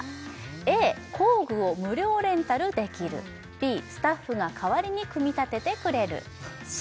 Ａ工具を無料レンタルできるＢスタッフが代わりに組み立ててくれるＣ